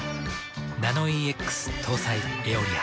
ナノイーＸ搭載「エオリア」。